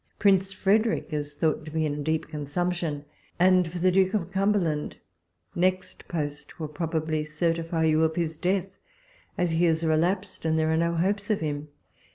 Prmce Frederick is thought to be in a deep consump tion ; and for the Duke of Cumberland, next post will probably certify you of his death, as he is relapsed, and there ai e no hopes of him.